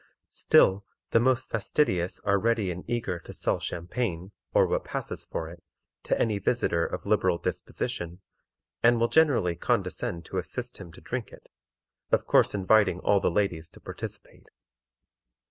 Still, the most fastidious are ready and eager to sell champagne, or what passes for it, to any visitor of liberal disposition, and will generally condescend to assist him to drink it, of course inviting all the ladies to participate.